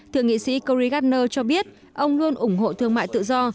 thượng nghị sĩ corey gardner cho biết ông luôn ủng hộ thương mại tự do